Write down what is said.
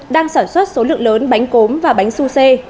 đang sản xuất số lượng lớn bánh cốm và bánh su sê